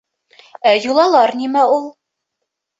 Ә йолалар нимә ул?